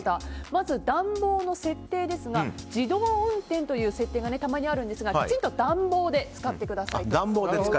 まず、暖房の設定ですが自動運転という設定がたまにあるんですがきちんと暖房で使ってくださいと。